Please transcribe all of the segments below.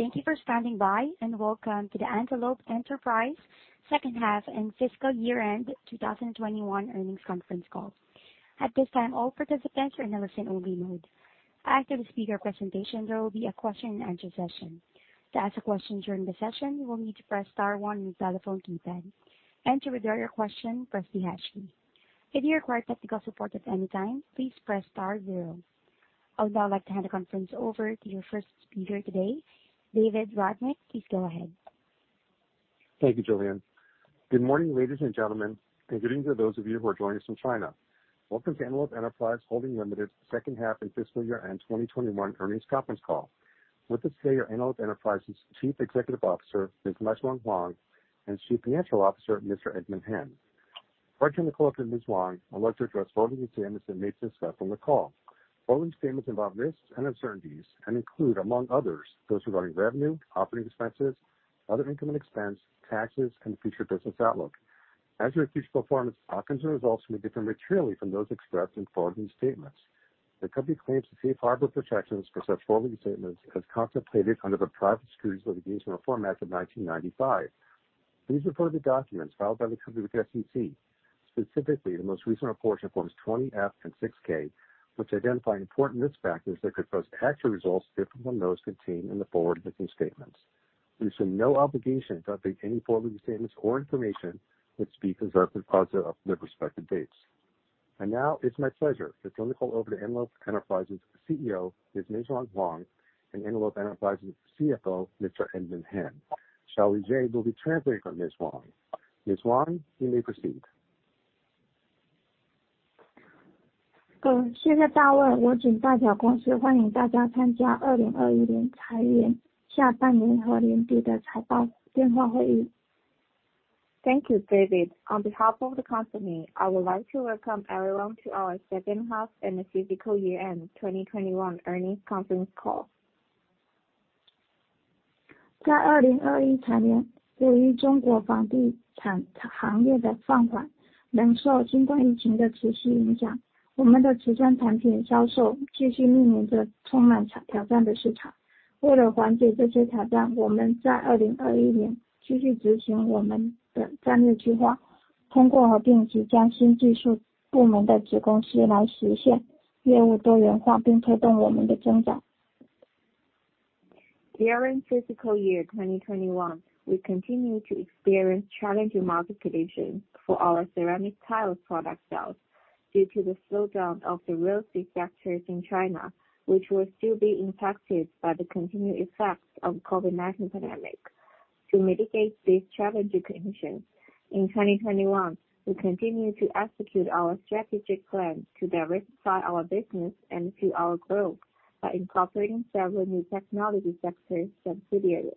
Thank you for standing by, and welcome to the Antelope Enterprise Second Half and Fiscal Year End 2021 Earnings Conference Call. At this time, all participants are in a listen-only mode. After the speaker presentation, there will be a question and answer session. To ask a question during the session, you will need to press star one on your telephone keypad. To withdraw your question, press the hash key. If you require technical support at any time, please press star zero. I would now like to hand the conference over to your first speaker today, David Rudnick. Please go ahead. Thank you, Julian. Good morning, ladies and gentlemen, and greetings to those of you who are joining us from China. Welcome to Antelope Enterprise Holdings Limited Second Half and Fiscal Year End 2021 Earnings Conference Call. With us today are Antelope Enterprise's Chief Executive Officer, Ms. Meishuang Huang, and Chief Financial Officer, Mr. Edmund Hen. At the start of the call, Ms. Huang, I'd like to address forward-looking statements that may be discussed on the call. Forward-looking statements involve risks and uncertainties and include, among others, those regarding revenue, operating expenses, other income and expense, taxes, and future business outlook. Actual future performance, our actual results may differ materially from those expressed in forward-looking statements. The company claims the safe harbor protections for such forward-looking statements as contemplated under the Private Securities Litigation Reform Act of 1995. Please refer to documents filed by the company with the SEC, specifically the most recent Form 20-F and 6-K, which identify important risk factors that could cause actual results different from those contained in the forward-looking statements. We assume no obligation to update any forward-looking statements or information that speaks as of their respective dates. Now it's my pleasure to turn the call over to Antelope Enterprise CEO, Ms. Meishuang Huang, and Antelope Enterprise CFO, Mr. Edmund Hen. Shall we begin? We'll be translating for Ms. Huang. Ms. Huang, you may proceed. Thank you, David. On behalf of the company, I would like to welcome everyone to our Second Half and the Fiscal Year End 2021 Earnings Conference Call. During fiscal year 2021, we continue to experience challenging market conditions for our ceramic tiles product sales due to the slowdown of the real estate sectors in China, which will still be impacted by the continued effects of COVID-19 pandemic. To mitigate these challenging conditions, in 2021, we continue to execute our strategic plans to diversify our business and fuel our growth by incorporating several new technology sector subsidiaries.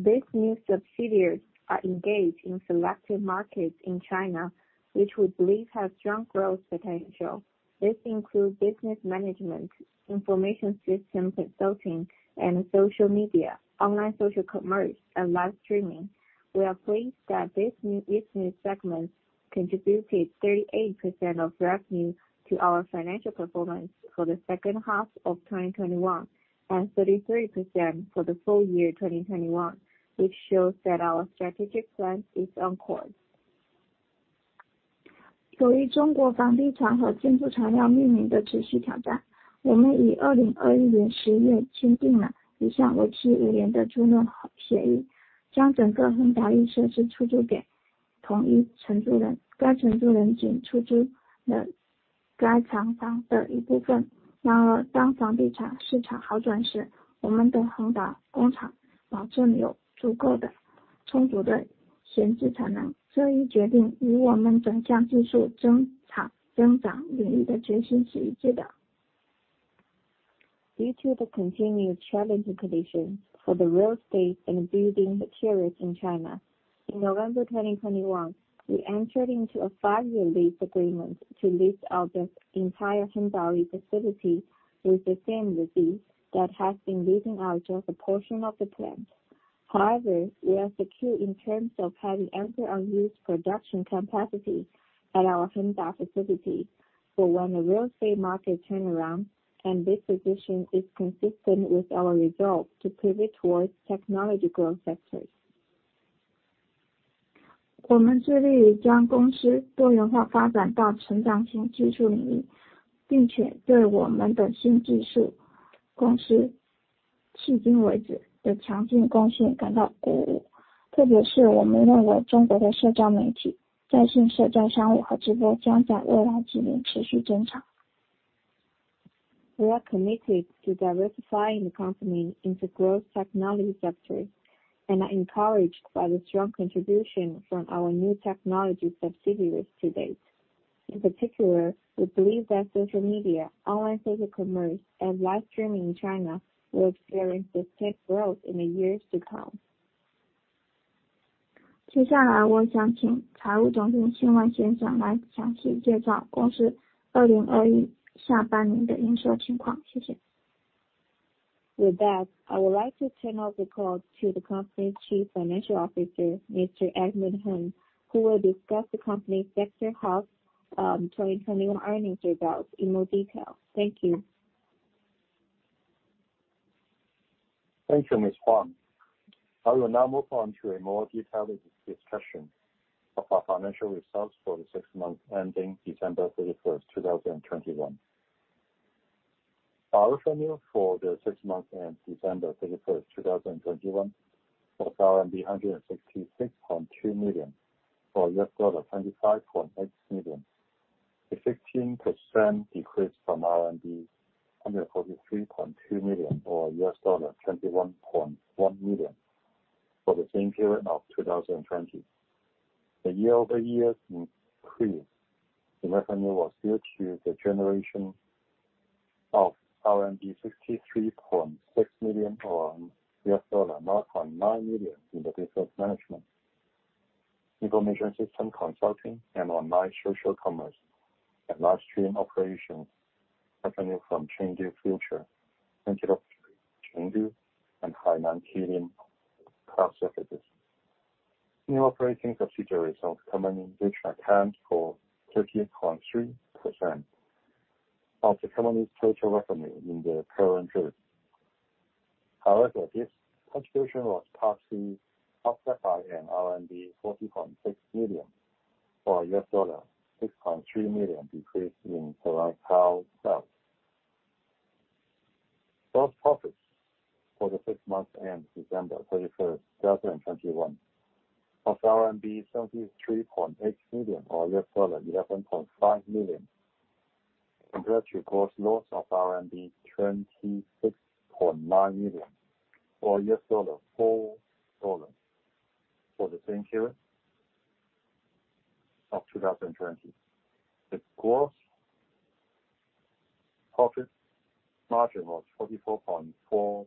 These new subsidiaries are engaged in selected markets in China, which we believe have strong growth potential. This includes business management, information system consulting, and social media, online social commerce, and live streaming. We are pleased that this new business segments contributed 38% of revenue to our financial performance for the second half of 2021, and 33% for the full year 2021, which shows that our strategic plan is on course. Due to the continued challenging conditions for the real estate and building materials in China, in November 2021, we entered into a five-year lease agreement to lease out the entire Hengdeli facility with the same lessee that has been leasing out just a portion of the plant. However, we are secure in terms of having empty unused production capacity at our Hengdeli Facility for when the real estate market turn around, and this position is consistent with our resolve to pivot towards technology growth sectors. We are committed to diversifying the company into growth technology sectors and are encouraged by the strong contribution from our new technology subsidiaries to date. In particular, we believe that social media, online social commerce and live streaming in China will experience distinct growth in the years to come. With that, I would like to turn over the call to the company's Chief Financial Officer, Mr. Edmund Hen, who will discuss the company's six months half-year 2021 earnings results in more detail. Thank you. Thank you, Ms. Huang. I will now move on to a more detailed discussion of our financial results for the six months ending December 31st, 2021. Our revenue for the six months end December 31st, 2021 was RMB 166.2 million, or $25.8 million. A 15% increase from 143.2 Million or $21.1 million for the same period of 2020. The year-over-year increase in revenue was due to the generation of RMB 63.6 million or $9.9 million in the business management, information system consulting and online social commerce and live stream operations revenue from Chengdu Future and Hainan Kylin Cloud Services. New operating subsidiary results combining which accounts for 13.3% of the company's total revenue in the current year. However, this contribution was partially offset by an RMB 40.6 million or $6.3 million decrease in Hengda sales. Gross profits for the six months end December 31, 2021 of RMB 73.8 million or $11.5 million compared to gross loss of RMB 26.9 million or $4 million for the same period of 2020. The gross profit margin was 44.4%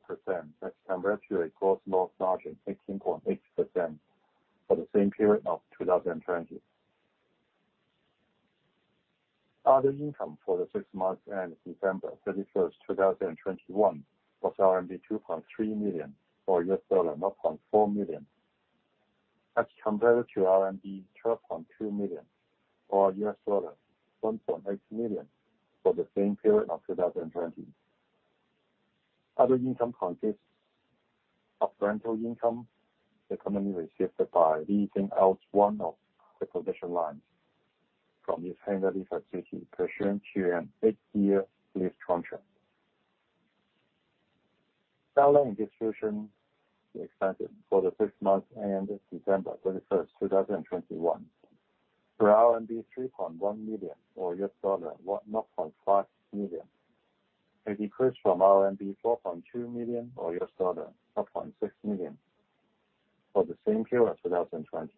as compared to a gross loss margin 18.8% for the same period of 2020. Other income for the six months ended December 31, 2021 was RMB 2.3 million or $0.4 million, as compared to RMB 12.2 million or $1.8 million for the same period of 2020. Other income consists of rental income the company received by leasing out one of the production lines from its Hengdeli facility pursuant to an eight-year lease contract. Selling and distribution expenses for the six months ended December 31, 2021 were 3.1 million or $0.5 million. A decrease from RMB 4.2 million or $0.6 million for the same period, 2020.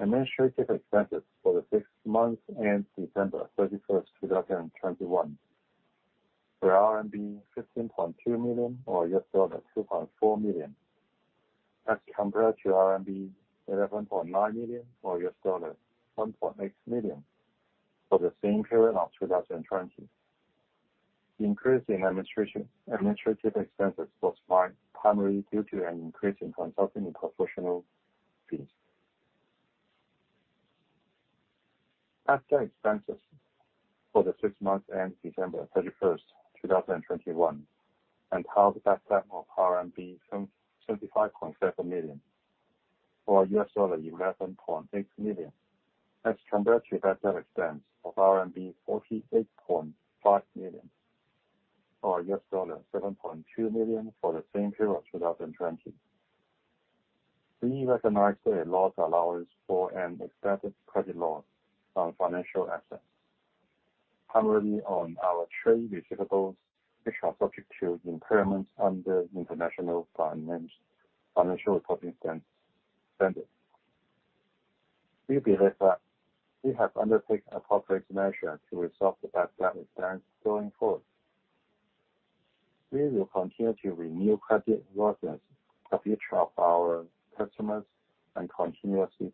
Administrative expenses for the six months ended December 31, 2021 were RMB 15.2 million, or $2.4 million. As compared to RMB 11.9 million or $1.8 million for the same period of 2020. Increase in administrative expenses was primarily due to an increase in consulting and professional fees. Bad debt expense for the six months ended December 31, 2021 was RMB 75.7 million or $11.8 million. As compared to bad debt expense of RMB 48.5 million or $7.2 million for the same period, 2020. We recognize a loss allowance for an expected credit loss on financial assets, primarily on our trade receivables, which are subject to impairments under International Financial Reporting Standards. We believe that we have undertaken appropriate measures to resolve the bad debt expense going forward. We will continue to renew creditworthiness of each of our customers and continuously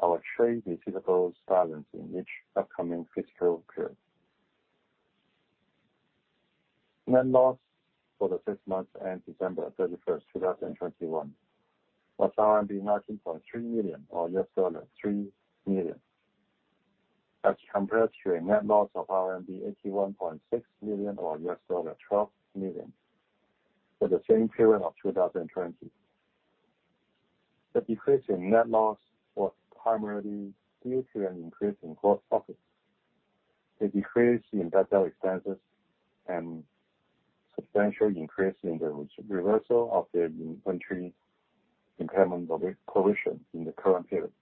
test our trade receivables balance in each upcoming fiscal period. Net loss for the six months ended December 31, 2021 was 19.3 million or $3 million. As compared to a net loss of RMB 81.6 million or $12 million for the same period of 2020. The decrease in net loss was primarily due to an increase in gross profits. The decrease in bad debt expenses and substantial increase in the reversal of the inventory impairment provision in the current period.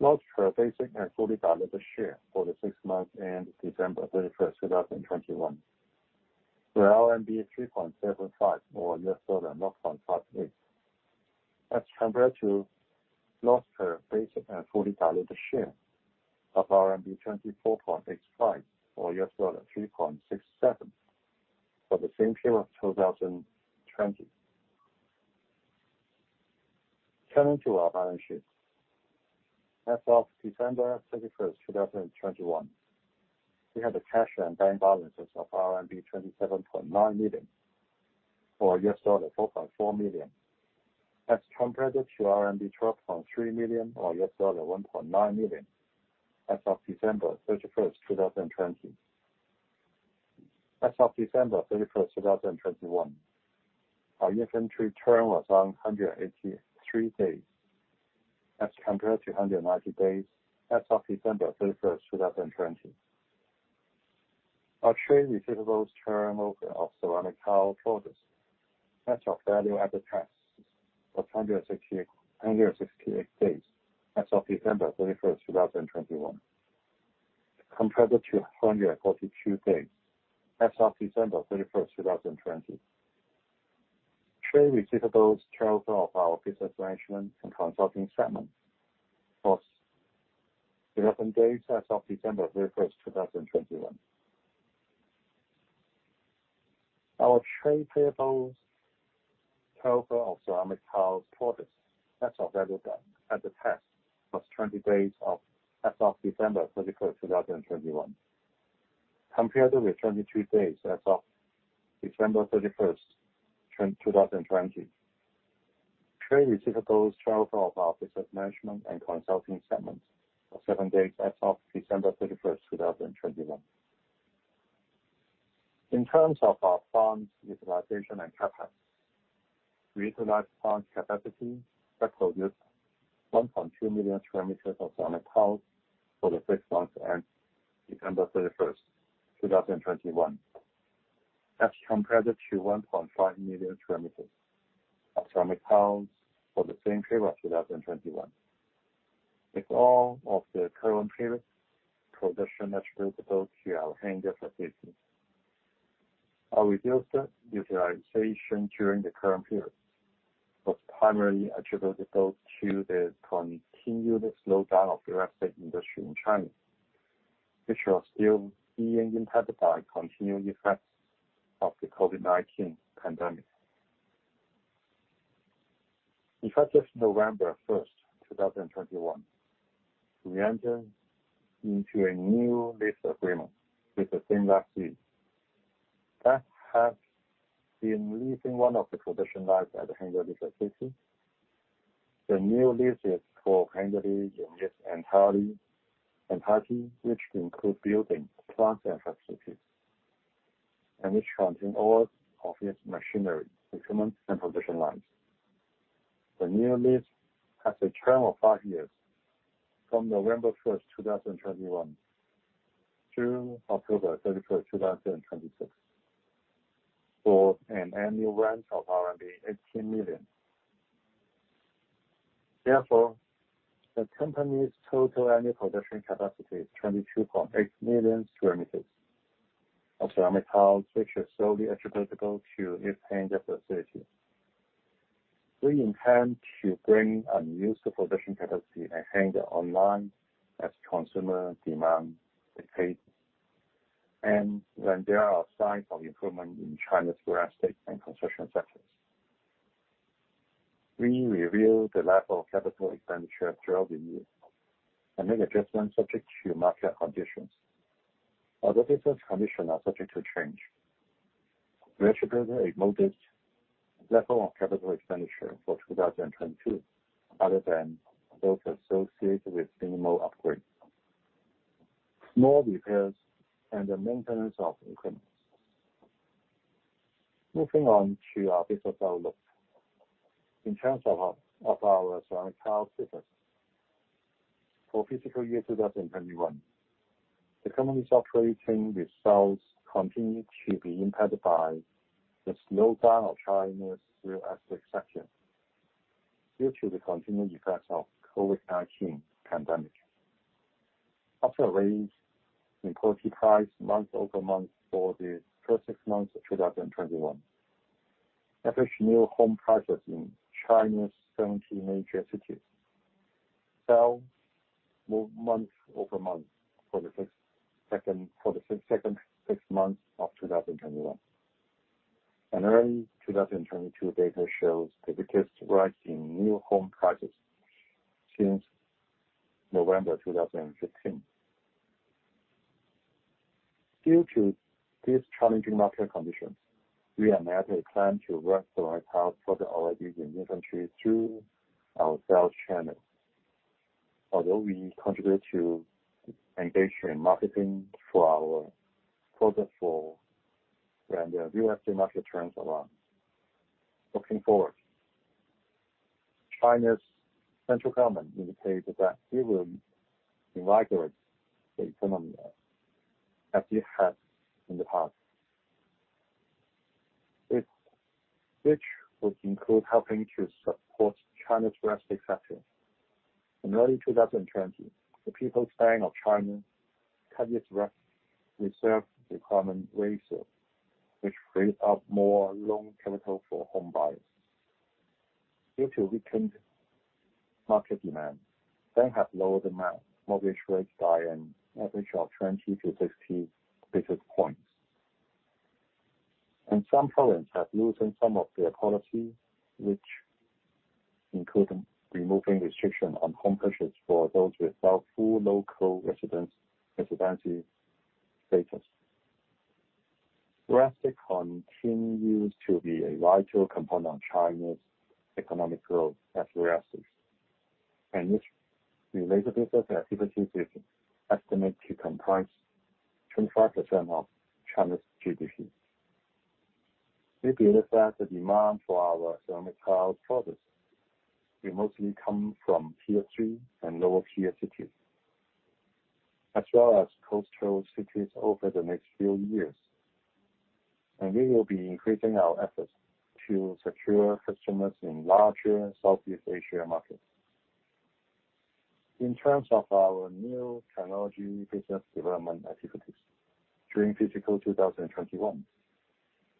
Loss per basic and fully diluted share for the six months ended December 31, 2021 were RMB 3.75 or $0.58. As compared to loss per basic and fully diluted share of RMB 24.85 or $3.67 for the same period of 2020. Turning to our balance sheet. As of December 31, 2021, we had the cash and bank balances of RMB 27.9 million or $4.4 million. As compared to RMB 12.3 million or $1.9 million as of December 31, 2020. As of December 31, 2021, our inventory turn was 183 days as compared to 190 days as of December 31, 2020. Our trade receivables turnover of ceramic tile products as valued at cost was 168 days as of December 31, 2021, compared to 142 days as of December 31, 2020. Trade receivables turnover of our business management and consulting segment was 11 days as of December 31, 2021. Our trade payables turnover of ceramic tiles products as valued at cost was 20 days as of December 31, 2021, compared with 22 days as of December 31, 2020. Trade receivables turnover of our business management and consulting segment was seven days as of December 31, 2021. In terms of our funds utilization and CapEx, we utilized funds capacity that produced 1.2 million s.q m. Of ceramic tiles for the six months ended December 31, 2021. As compared to 1.5 million s.q m. Of ceramic tiles for the same period of 2021. With all of the current period production attributable to our Hengda facility. Our reduced utilization during the current period was primarily attributable to the continued slowdown of the real estate industry in China, which was still being impacted by continuing effects of the COVID-19 pandemic. Effective November 1, 2021, we entered into a new lease agreement with the same lessee that has been leasing one of the production lines at the Hengda facility. The new lease for Hengda, which includes buildings, plants, and facilities, and which contains all of its machinery, equipment, and production lines. The new lease has a term of five years from November 1, 2021 to October 31, 2026, for an annual rent of 18 million. Therefore, the company's total annual production capacity is 22.8 million s.q. m Of ceramic tiles, which is solely attributable to its Hengda facility. We intend to bring unused production capacity at Hengda online as consumer demand increases, and when there are signs of improvement in China's real estate and construction sectors. We review the level of capital expenditure throughout the year and make adjustments subject to market conditions. Although business conditions are subject to change, we anticipate a modest level of capital expenditure for 2022, other than those associated with minimal upgrades, small repairs, and the maintenance of equipment. Moving on to our business outlook. In terms of our ceramic tile business. For fiscal year 2021, the company's operating results continued to be impacted by the slowdown of China's real estate sector due to the continuing effects of COVID-19 pandemic. After a rise in property prices month-over-month for the first six months of 2021, average new home prices in China's 70 major cities fell month-over-month for the second six months of 2021. Early 2022 data shows the biggest rise in new home prices since November 2015. Due to these challenging market conditions, we have made a plan to work ceramic tiles products already in inventory through our sales channels. Although we continue to engage in marketing for our products for when the real estate market turns around. Looking forward, China's central government indicated that it will invigorate the economy as it has in the past. It, which would include helping to support China's real estate sector. In early 2020, the People's Bank of China cut its reserve requirement ratio, which freed up more loan capital for home buyers. Due to weakened market demand, banks have lowered mortgage rates by an average of 20-60 basis points. Some provinces have loosened some of their policies, which include removing restrictions on home purchases for those without full local residency status. Real estate continues to be a vital component of China's economic growth as we assess, and its related business activities is estimated to comprise 25% of China's GDP. We believe that the demand for our ceramic tile products will mostly come from tier three and lower-tier cities, as well as coastal cities over the next few years. We will be increasing our efforts to secure customers in larger Southeast Asia markets. In terms of our new technology business development activities, during fiscal 2021,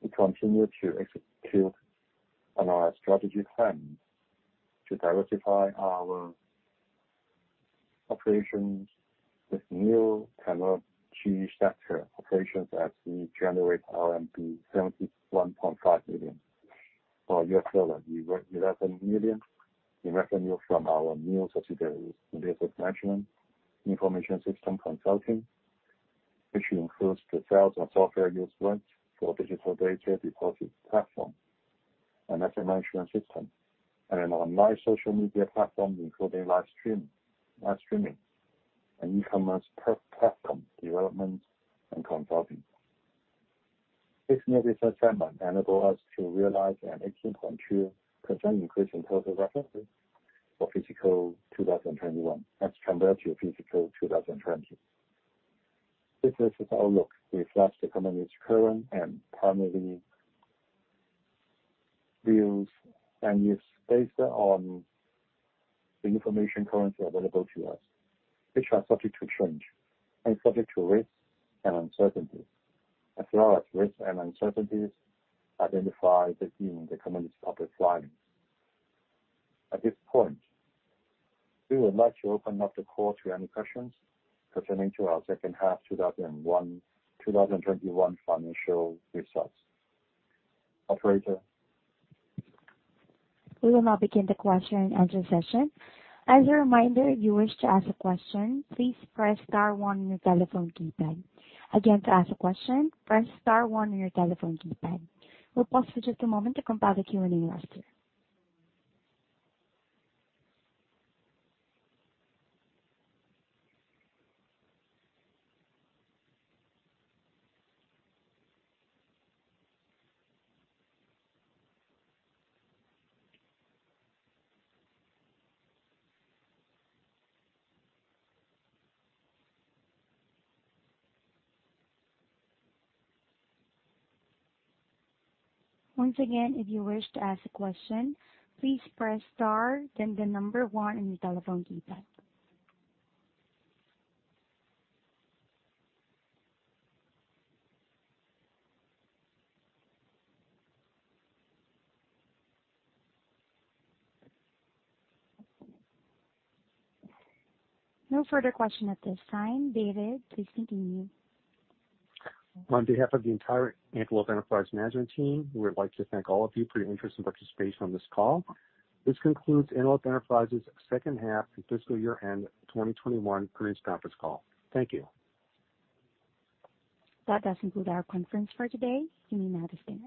we continued to execute on our strategy plans to diversify our operations with new technology sector operations as we generate RMB 71.5 million or $11 million in revenue from our new subsidiaries' business management information system consulting, which includes the sales of software use rights for digital data deposit platform and asset management system, and an online social media platform including live streaming and e-commerce platform development and consulting. These new business segments enable us to realize an 18.2% increase in total revenues for fiscal 2021 as compared to fiscal 2020. This business outlook reflects the company's current and primary views and is based on the information currently available to us, which are subject to change and subject to risks and uncertainties as well as risks and uncertainties identified in the company's public filings. At this point, we would like to open up the call to any questions pertaining to our second half 2021 financial results. Operator. We will now begin the question and answer session. As a reminder, if you wish to ask a question, please press star one on your telephone keypad. Again, to ask a question, press star one on your telephone keypad. We'll pause for just a moment to compile the Q&A roster. Once again, if you wish to ask a question, please press star then the number one on your telephone keypad. No further question at this time. David, please continue. On behalf of the entire Antelope Enterprise management team, we would like to thank all of you for your interest and participation on this call. This concludes Antelope Enterprise's Second Half and Fiscal Year End 2021 Earnings Conference Call. Thank you. That does conclude our conference for today. You may now disconnect.